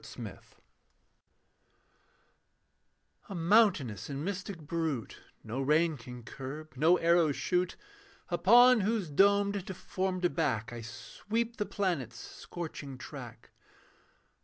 CYCLOPEAN A mountainous and mystic brute No rein can curb, no arrow shoot, Upon whose domed deformed back I sweep the planets scorching track.